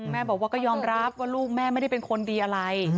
แม่บอกว่าก็ยอมรับว่าลูกแม่ไม่ได้เป็นคนดีอะไร